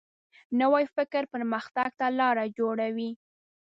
نوی فکر پرمختګ ته لاره جوړوي